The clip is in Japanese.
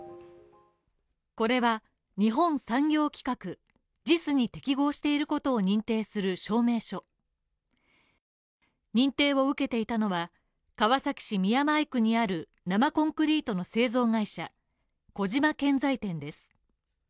これは、日本産業規格ＪＩＳに適合していることを認定する証明書認定を受けていたのは、川崎市宮前区にある生コンクリートの製造会社小島建材店です。